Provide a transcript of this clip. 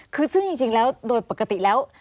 คือซึ่งจริงแล้วโดยปกติแล้ว